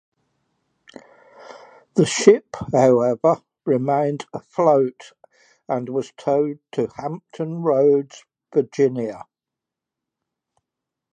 The ship, however, remained afloat and was towed to Hampton Roads, Virginia.